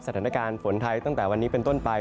สถานการณ์ฝนไทยตั้งแต่วันนี้เป็นต้นไป